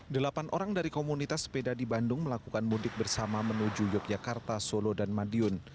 delapan orang dari komunitas sepeda di bandung melakukan mudik bersama menuju yogyakarta solo dan madiun